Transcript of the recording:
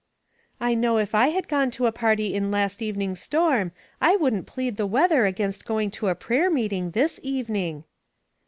"" I know if I had gone to a party in last even ing's storm I wouldn't plead the weather against going to a prayer meeting this evening."